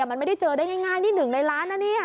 มันไม่ได้เจอได้ง่ายที่หนึ่งในร้านน่ะเนี่ย